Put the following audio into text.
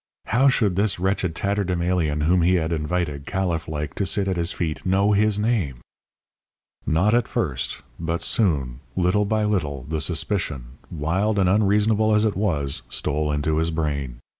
How should this wretched tatterdemalion whom he had invited, Caliph like, to sit at his feet know his name? Not at first, but soon, little by little, the suspicion, wild and unreasonable as it was, stole into his brain.